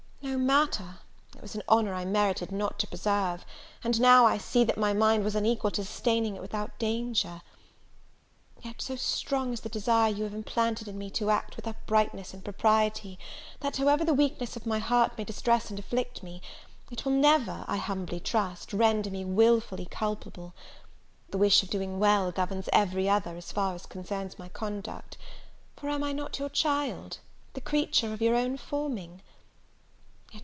No matter, it was an honour I merited not to preserve; and now I see, that my mind was unequal to sustaining it without danger. Yet so strong is the desire you have implanted in me to act with uprightness and propriety, that, however the weakness of my heart may distress and afflict me, it will never, I humbly trust, render me wilfully culpable. The wish of doing well governs every other, as far as concerns my conduct, for am I not your child? the creature of your own forming!